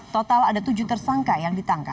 total ada tujuh tersangka yang ditangkap